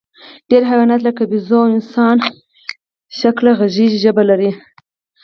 ډېری حیوانات، لکه بیزو او انسانشکله غږیزه ژبه لري.